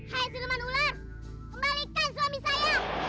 hai siluman ular kembalikan suami saya